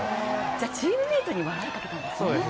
じゃあチームメートに笑いかけたんですね。